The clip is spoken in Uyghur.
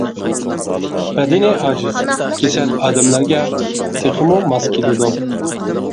بەدىنى ئاجىز، كېسەل ئادەملەرگە تېخىمۇ ماس كېلىدۇ.